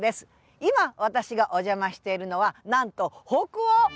今私がお邪魔しているのはなんと北欧。